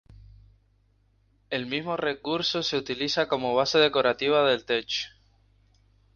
El mismo recurso se utiliza como base decorativa del techo.